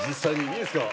いいですか？